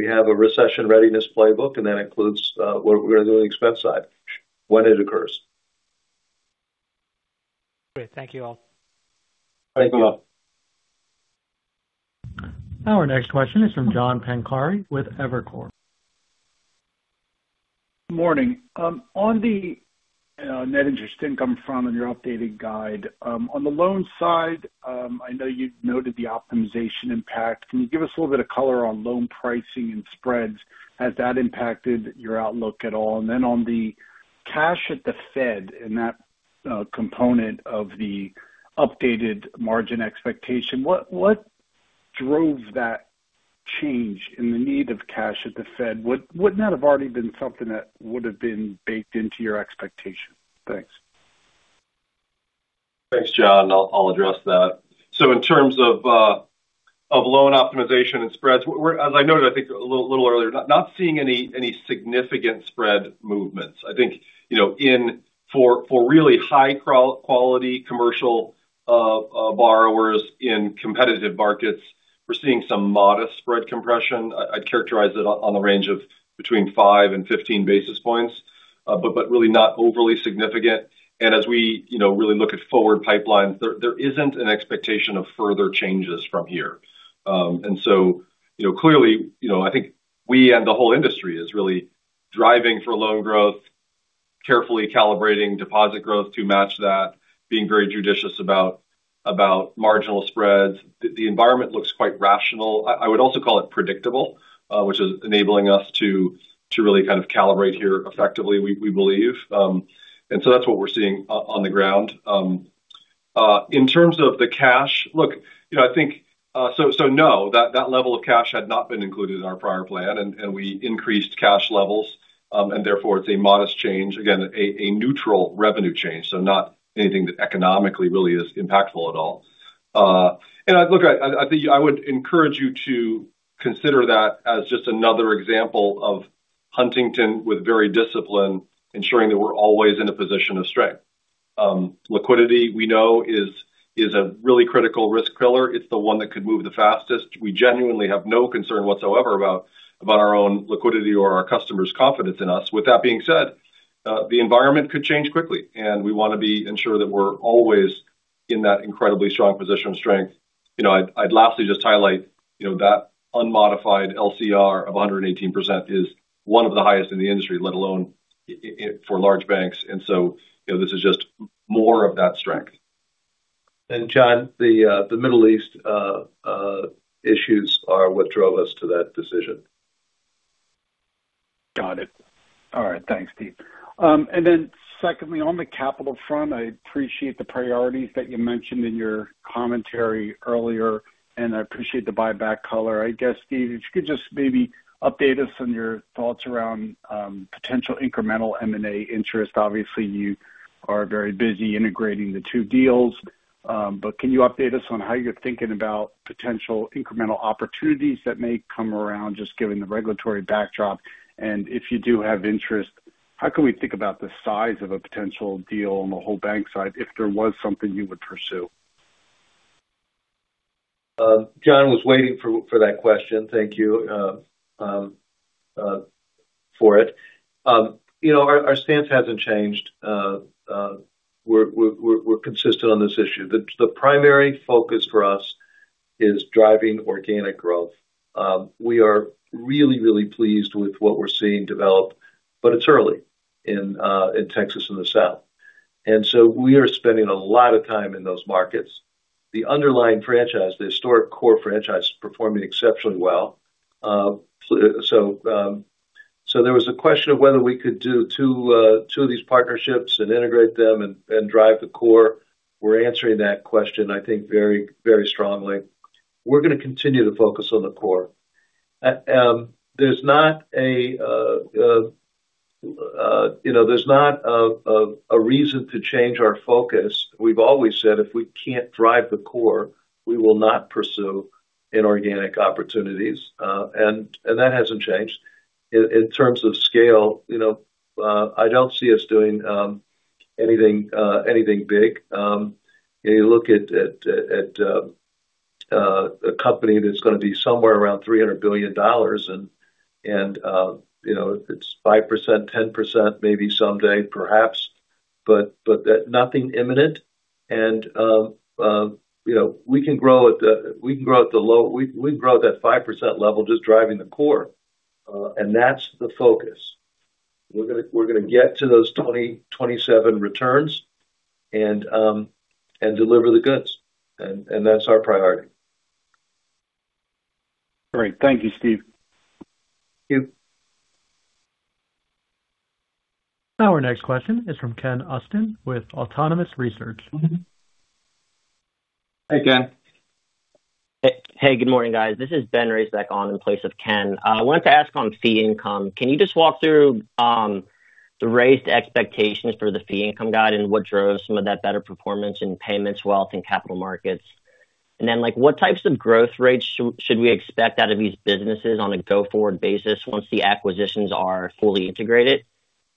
have a recession readiness playbook, and that includes what we're doing expense side when it occurs. Great. Thank you all. Thank you. Thank you all. Our next question is from John Pancari with Evercore. Morning. On the net interest income front on your updated guide. On the loan side, I know you noted the optimization impact. Can you give us a little bit of color on loan pricing and spreads? Has that impacted your outlook at all? On the cash at the Fed and that component of the updated margin expectation, what drove that change in the need of cash at the Fed? Wouldn't that have already been something that would have been baked into your expectation? Thanks. Thanks, John. I'll address that. In terms of loan optimization and spreads, as I noted, I think a little earlier, not seeing any significant spread movements. I think for really high-quality commercial borrowers in competitive markets, we're seeing some modest spread compression. I'd characterize it on the range of between 5 basis points and 15 basis points. Really not overly significant. As we really look at forward pipelines, there isn't an expectation of further changes from here. Clearly, I think we and the whole industry is really driving for loan growth, carefully calibrating deposit growth to match that, being very judicious about marginal spreads. The environment looks quite rational. I would also call it predictable, which is enabling us to really kind of calibrate here effectively, we believe. That's what we're seeing on the ground. In terms of the cash, look, so no, that level of cash had not been included in our prior plan and we increased cash levels. Therefore it's a modest change. Again, a neutral revenue change. Not anything that economically really is impactful at all. Look, I would encourage you to consider that as just another example of Huntington with very disciplined, ensuring that we're always in a position of strength. Liquidity we know is a really critical risk pillar. It's the one that could move the fastest. We genuinely have no concern whatsoever about our own liquidity or our customers' confidence in us. With that being said, the environment could change quickly, and we want to ensure that we're always in that incredibly strong position of strength. I'd lastly just highlight that unmodified LCR of 118% is one of the highest in the industry, let alone for large banks. This is just more of that strength. John, the Middle East issues are what drove us to that decision. Got it. All right. Thanks, Steve. Secondly, on the capital front, I appreciate the priorities that you mentioned in your commentary earlier, and I appreciate the buyback color. I guess, Steve, if you could just maybe update us on your thoughts around potential incremental M&A interest. Obviously, you are very busy integrating the two deals. Can you update us on how you're thinking about potential incremental opportunities that may come around, just given the regulatory backdrop? If you do have interest, how can we think about the size of a potential deal on the whole bank side if there was something you would pursue? John, I was waiting for that question. Thank you for it. Our stance hasn't changed. We're consistent on this issue. The primary focus for us is driving organic growth. We are really, really pleased with what we're seeing develop, but it's early in Texas and the South. We are spending a lot of time in those markets. The underlying franchise, the historic core franchise, is performing exceptionally well. There was a question of whether we could do two of these partnerships and integrate them and drive the core. We're answering that question, I think, very strongly. We're going to continue to focus on the core. There's not a reason to change our focus. We've always said if we can't drive the core, we will not pursue inorganic opportunities. That hasn't changed. In terms of scale, I don't see us doing anything big. You look at a company that's going to be somewhere around $300 billion and it's 5%, 10%, maybe someday, perhaps, but nothing imminent. We can grow at the low. We can grow that 5% level just driving the core. That's the focus. We're going to get to those 2027 returns and deliver the goods. That's our priority. Great. Thank you, Steve. Thank you. Our next question is from Ken Usdin with Autonomous Research. Hi, Ken. Hey, good morning, guys. This is Ben Reyes back on in place of Ken. I wanted to ask on fee income. Can you just walk through the raised expectations for the fee income guide and what drove some of that better performance in payments, wealth, and capital markets? What types of growth rates should we expect out of these businesses on a go-forward basis once the acquisitions are fully integrated?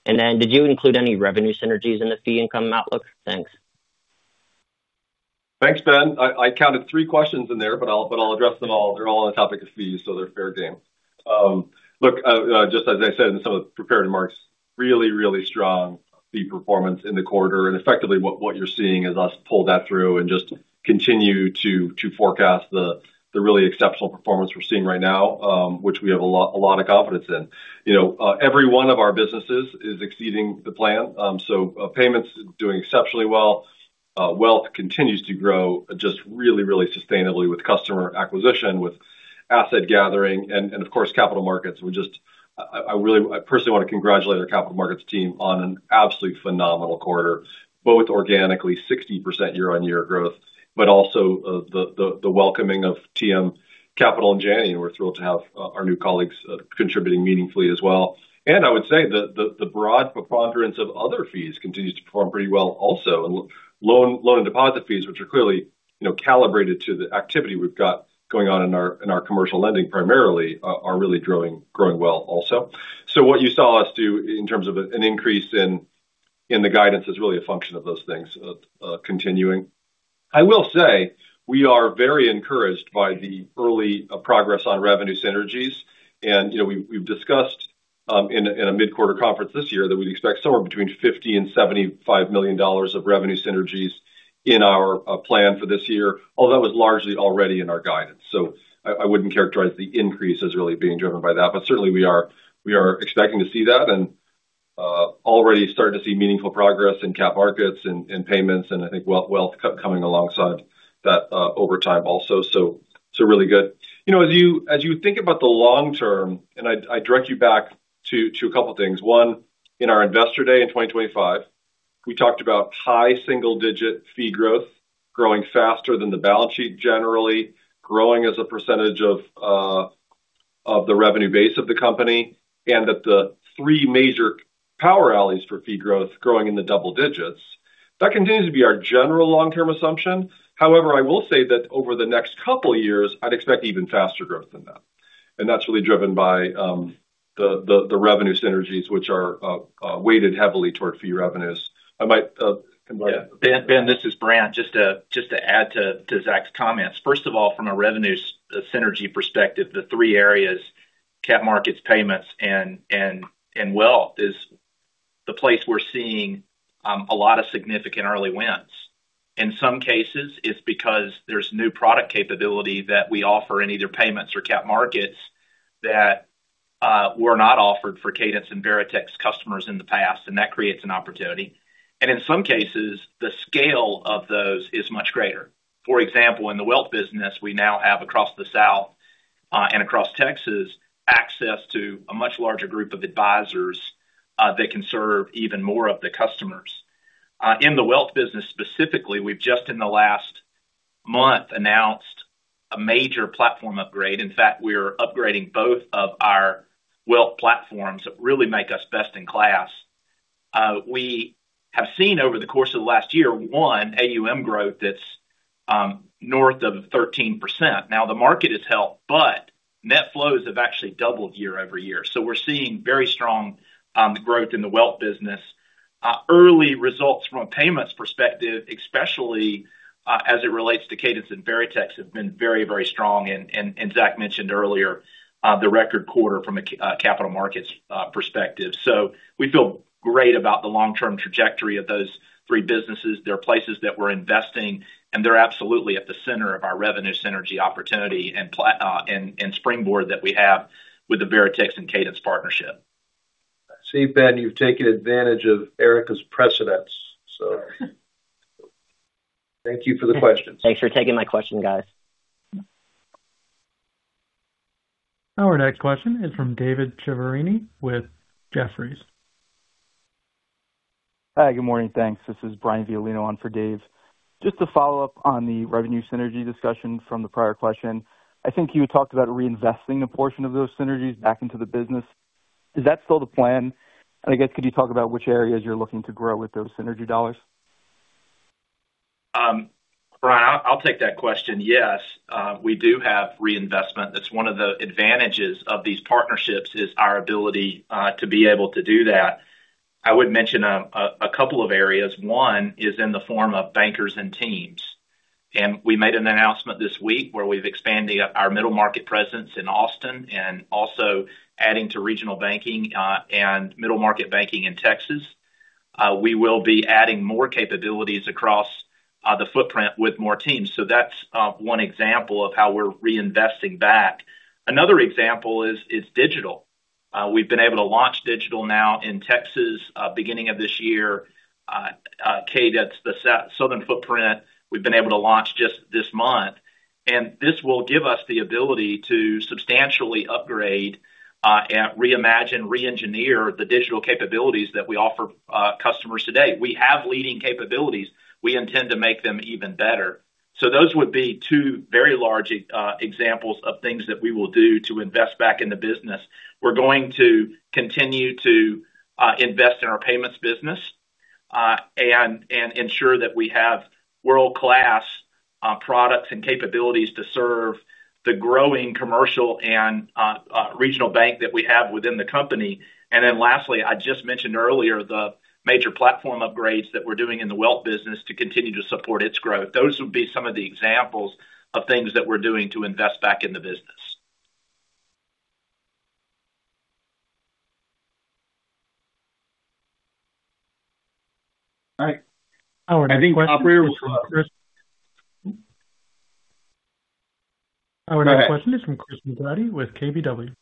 Did you include any revenue synergies in the fee income outlook? Thanks. Thanks, Ben. I counted three questions in there, but I'll address them all. They're all on the topic of fees, so they're fair game. Look, just as I said in some of the prepared remarks, really, really strong fee performance in the quarter. Effectively what you're seeing is us pull that through and just continue to forecast the really exceptional performance we're seeing right now, which we have a lot of confidence in. Every one of our businesses is exceeding the plan. Payments is doing exceptionally well. Wealth continues to grow just really, really sustainably with customer acquisition, with asset gathering, and of course, capital markets. I personally want to congratulate our capital markets team on an absolutely phenomenal quarter, both organically 60% year-on-year growth, but also the welcoming of TM Capital in January. We're thrilled to have our new colleagues contributing meaningfully as well. I would say the broad preponderance of other fees continues to perform pretty well also. Loan and deposit fees, which are clearly calibrated to the activity we've got going on in our commercial lending primarily, are really growing well also. What you saw us do in terms of an increase in the guidance is really a function of those things continuing. I will say we are very encouraged by the early progress on revenue synergies. We've discussed in a mid-quarter conference this year that we'd expect somewhere between $50 million-$75 million of revenue synergies in our plan for this year, although that was largely already in our guidance. I wouldn't characterize the increase as really being driven by that. Certainly we are expecting to see that and already starting to see meaningful progress in capital markets and payments and I think wealth coming alongside that over time also. Really good. As you think about the long term, and I direct you back to a couple of things. One, in our Investor Day in 2025, we talked about high single-digit fee growth growing faster than the balance sheet generally, growing as a percentage of the revenue base of the company, and that the three major power alleys for fee growth growing in the double digits. That continues to be our general long-term assumption. However, I will say that over the next couple of years, I'd expect even faster growth than that. That's really driven by the revenue synergies which are weighted heavily toward fee revenues. I might invite- Yeah. Ben, this is Brant. Just to add to Zach's comments. First of all, from a revenue synergy perspective, the three areas, cap markets, payments, and wealth is the place we're seeing a lot of significant early wins. In some cases, it's because there's new product capability that we offer in either payments or cap markets that were not offered for Cadence and Veritex customers in the past, and that creates an opportunity. In some cases, the scale of those is much greater. For example, in the wealth business, we now have across the South- Across Texas, access to a much larger group of advisors that can serve even more of the customers. In the wealth business, specifically, we've just in the last month announced a major platform upgrade. In fact, we're upgrading both of our wealth platforms that really make us best in class. We have seen over the course of the last year, one, AUM growth that's north of 13%. Now the market has helped, but net flows have actually doubled year-over-year. We're seeing very strong growth in the wealth business. Early results from a payments perspective, especially as it relates to Cadence and Veritex, have been very strong, Zach mentioned earlier the record quarter from a capital markets perspective. We feel great about the long-term trajectory of those three businesses. There are places that we're investing, and they're absolutely at the center of our revenue synergy opportunity and springboard that we have with the Veritex and Cadence partnership. I see, Ben, you've taken advantage of Erika's precedence. Thank you for the question. Thanks for taking my question, guys. Our next question is from David Chiaverini with Jefferies. Hi, good morning. Thanks. This is Brian Violino on for Dave. Just to follow up on the revenue synergy discussion from the prior question. I think you talked about reinvesting a portion of those synergies back into the business. Is that still the plan? I guess, could you talk about which areas you're looking to grow with those synergy dollars? Brian, I'll take that question. Yes, we do have reinvestment. That's one of the advantages of these partnerships is our ability to be able to do that. I would mention a couple of areas. One is in the form of bankers and teams. We made an announcement this week where we've expanded our middle market presence in Austin and also adding to regional banking, and middle market banking in Texas. We will be adding more capabilities across the footprint with more teams. That's one example of how we're reinvesting back. Another example is digital. We've been able to launch digital now in Texas, beginning of this year. Cadence, the southern footprint, we've been able to launch just this month. This will give us the ability to substantially upgrade, reimagine, reengineer the digital capabilities that we offer customers today. We have leading capabilities. We intend to make them even better. Those would be two very large examples of things that we will do to invest back in the business. We're going to continue to invest in our payments business, and ensure that we have world-class products and capabilities to serve the growing commercial and regional bank that we have within the company. Lastly, I just mentioned earlier the major platform upgrades that we're doing in the wealth business to continue to support its growth. Those would be some of the examples of things that we're doing to invest back in the business. All right. Our next question. I think operator will close. Our next question is from Christopher McGratty with KBW.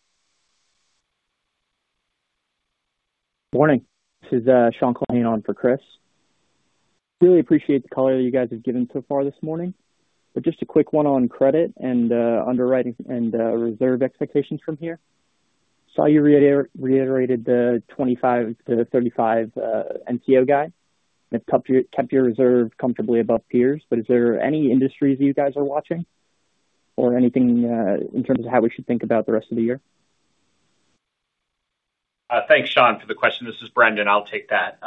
Morning, this is Sean Culhane on for Chris. Really appreciate the color you guys have given so far this morning, but just a quick one on credit and underwriting and reserve expectations from here. Saw you reiterated the 25-35 NCO guide, and it's kept your reserve comfortably above peers, but is there any industries you guys are watching or anything in terms of how we should think about the rest of the year? Thanks, Sean, for the question. This is Brendan. I'll take that.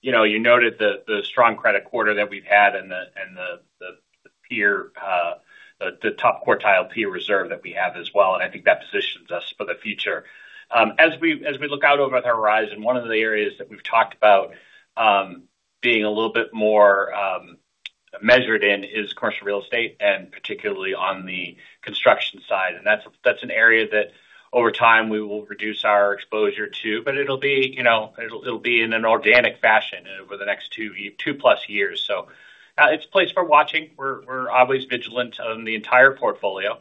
You noted the strong credit quarter that we've had and the top quartile peer reserve that we have as well, and I think that positions us for the future. As we look out over the horizon, one of the areas that we've talked about being a little bit more measured in is commercial real estate, and particularly on the construction side. That's an area that over time we will reduce our exposure to. It'll be in an organic fashion over the next 2+ years. It's a place we're watching. We're always vigilant on the entire portfolio.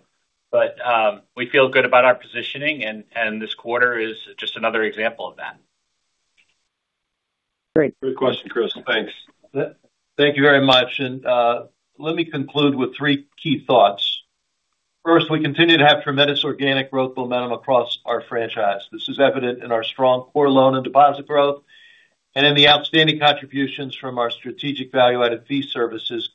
We feel good about our positioning and this quarter is just another example of that. Great. Good question, Chris. Thanks. Thank you very much. Let me conclude with three key thoughts. First, we continue to have tremendous organic growth momentum across our franchise. This is evident in our strong core loan and deposit growth and in the outstanding contributions from our strategic value-added fee services,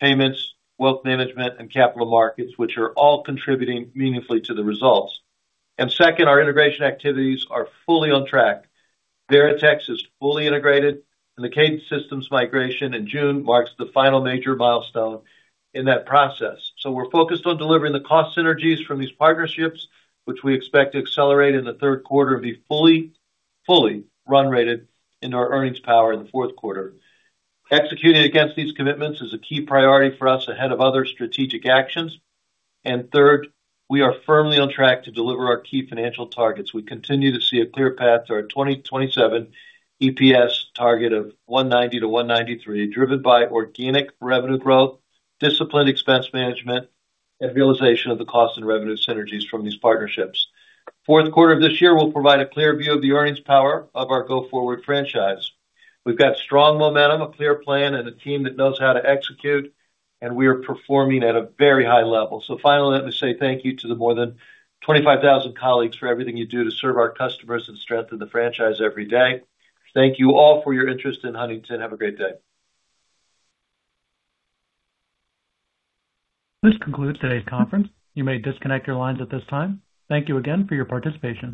payments, wealth management, and capital markets, which are all contributing meaningfully to the results. Second, our integration activities are fully on track. Veritex is fully integrated, and the Cadence systems migration in June marks the final major milestone in that process. We're focused on delivering the cost synergies from these partnerships, which we expect to accelerate in the third quarter and be fully run-rate into our earnings power in the fourth quarter. Executing against these commitments is a key priority for us ahead of other strategic actions. Third, we are firmly on track to deliver our key financial targets. We continue to see a clear path to our 2027 EPS target of 190-193, driven by organic revenue growth, disciplined expense management, and realization of the cost and revenue synergies from these partnerships. Fourth quarter of this year will provide a clear view of the earnings power of our go-forward franchise. We've got strong momentum, a clear plan, and a team that knows how to execute, and we are performing at a very high level. Finally, let me say thank you to the more than 25,000 colleagues for everything you do to serve our customers and strengthen the franchise every day. Thank you all for your interest in Huntington. Have a great day. This concludes today's conference. You may disconnect your lines at this time. Thank you again for your participation.